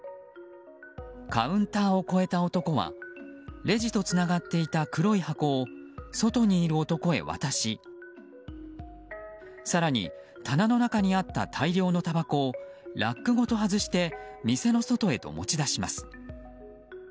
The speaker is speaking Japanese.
カウンターを越えた男はレジとつながっていた黒い箱を外にいる男へ渡し更に、棚の中にあった大量のたばこをラックごと外して店の外へと持ち出します。